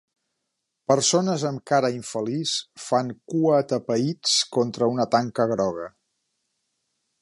Persones amb cara infeliç fan cua atapeïts contra una tanca groga.